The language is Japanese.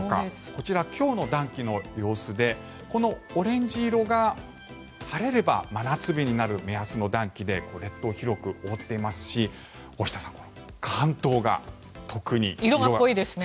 こちら、今日の暖気の様子でこのオレンジ色が晴れれば真夏日になる目安の暖気で列島、広く覆っていますし色が濃いですね。